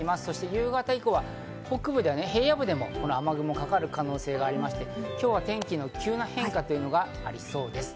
夕方以降は北部で平野部でもこの雨雲がかかる可能性があって、今日は天気の急な変化がありそうです。